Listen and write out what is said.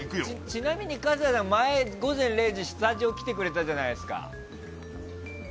ちなみに春日さん、前「午前０時の森」のスタジオに来てくれたじゃないですか。